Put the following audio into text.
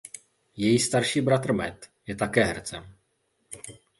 Její starší bratr Matt je také hercem.